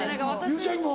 ゆうちゃみも？